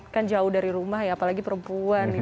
kan jauh dari rumah ya apalagi perempuan